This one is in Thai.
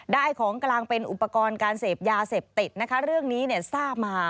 ได้ของกำลังเป็นอุปกรณ์การเสพยาเสพติดเรื่องนี้สร้างมา